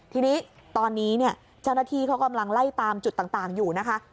ทีนี้ตอนนี้เนี่ยเจ้าหน้าที่เขากำลังไล่ตามจุดต่างอยู่นะคะ